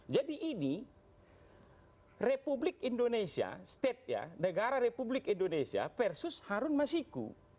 jadi ini republik indonesia state ya negara republik indonesia versus harun masjid q